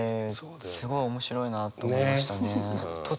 すごい面白いなと思いましたね。